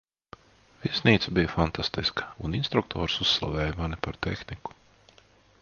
Viesnīca bija fantastiska, un instruktors uzslavēja mani par tehniku.